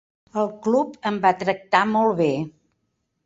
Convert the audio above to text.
El club em va tractar molt bé.